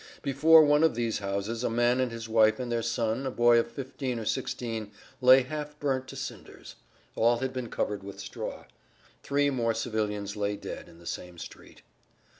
Before one of these houses a man and his wife and their son, a boy of 15 or 16, lay half burnt to cinders; all had been covered with straw. Three more civilians lay dead in the same street.